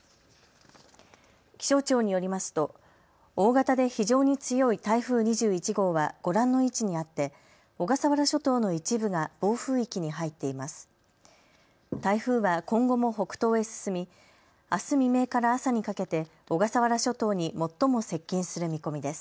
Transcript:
気象庁によりますと大型で非常に強い台風２１号はご覧の位置にあって小笠原諸島の一部が暴風域に入っています。